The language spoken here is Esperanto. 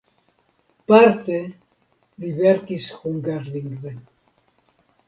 Parte li verkis hungarlingve.